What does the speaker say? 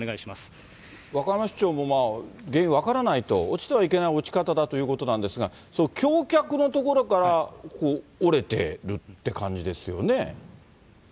和歌山市長も原因分からないと、落ちてはいけない落ち方だということなんですが、橋脚の所から折れてるって感じですよね。